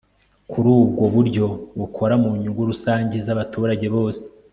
kuri ubwo buryo bukora mu nyungu rusange z'abaturage bose